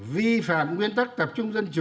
vi phạm nguyên tắc tập trung dân chủ